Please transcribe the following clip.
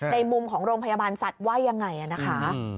ในมุมของโรงพยาบาลสัตว์ว่ายังไงนะคะ